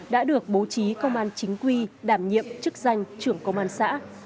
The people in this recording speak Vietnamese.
đã được bố trí công an chính quy đảm nhiệm chức danh trưởng công an xã